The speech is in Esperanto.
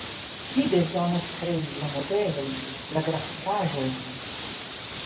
Vi bezonas krei la modelojn, la grafikaĵojn